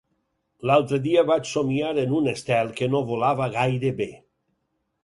L'altre día vaig somiar en un estel que no volava gaire bé.